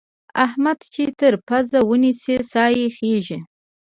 احمد چې تر پزه ونيسې؛ سا يې خېږي.